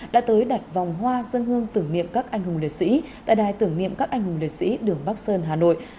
đã tới đặt vòng hoa dân hương tưởng niệm các anh hùng liệt sĩ tại đài tưởng niệm các anh hùng liệt sĩ đường bắc sơn hà nội